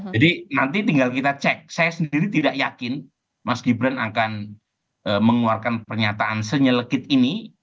jadi nanti tinggal kita cek saya sendiri tidak yakin mas gibran akan mengeluarkan pernyataan senyelekit ini